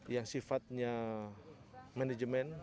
yang sifatnya manajemen